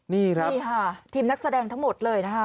นี่ครับนี่ค่ะทีมนักแสดงทั้งหมดเลยนะคะ